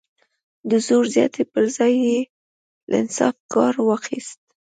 د زور زیاتي پر ځای یې له انصاف کار واخیست.